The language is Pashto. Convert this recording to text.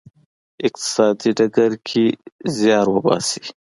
اقتصادي ډګر کې زیار وباسی.